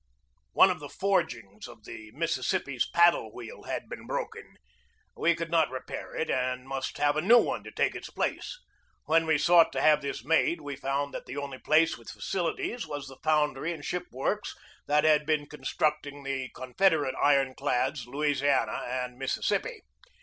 One of the forgings of the Mississippi's paddle 77 78 GEORGE DEWEY wheel had been broken. We could not repair it and must have a new one to take its place. When we sought to have this made we found that the only place with facilities was the foundry and ship works that had been constructing the Confederate iron clads Louisiana and Mississippi.